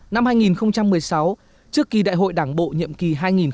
năm hai nghìn một mươi sáu trước kỳ đại hội đảng bộ nhiệm kỳ hai nghìn một mươi năm hai nghìn hai mươi